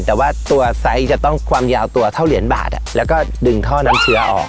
แต่ว่าตัวไซส์จะต้องความยาวตัวเท่าเหรียญบาทแล้วก็ดึงท่อน้ำเชื้อออก